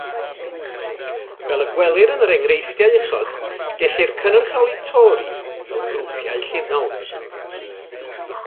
Fel y gwelir yn yr enghreifftiau uchod gellir cynrychioli tori fel grwpiau llinol.